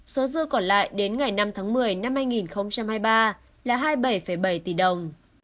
số dư còn lại đến ngày năm tháng một mươi năm hai nghìn hai mươi ba là hai mươi bảy bảy tỷ đồng